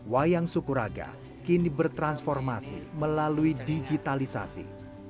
wayang sukuraga kini bertransformasi melalui digitalisasi